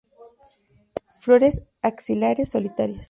Flores axilares, solitarias.